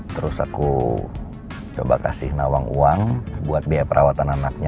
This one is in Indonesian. terus aku coba kasih nawang uang buat biaya perawatan anaknya